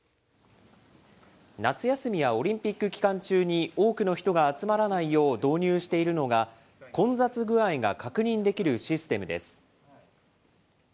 夏休みやオリンピック期間中に、多くの人が集まらないよう導入しているのが、混雑具合が確認できるシステムです。